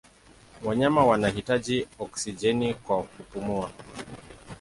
Wanyama wanahitaji oksijeni kwa kupumua.